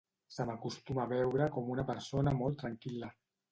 Se m’acostuma a veure com una persona molt tranquil·la.